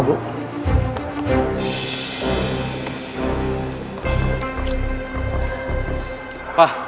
terima kasih pak